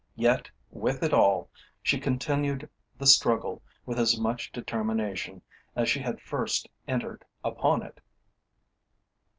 Yet, with it all, she continued the struggle with as much determination as she had first entered upon it.